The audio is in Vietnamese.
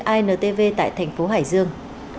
phóng viên intv tại thành phố hải dương